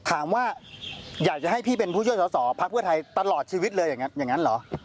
ถามว่าอยากจะให้พี่เป็นผู้ช่วยสอสอพักเพื่อไทยตลอดชีวิตเลยอย่างนั้นเหรอ